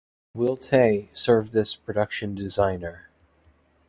Will Htay served as production designer.